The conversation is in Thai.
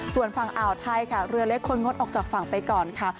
ส่วนฝั่งอ่าวไทยค่ะเรือเล็กควรงดออกจากฝั่งไปก่อนค่ะ